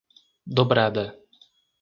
Dobrada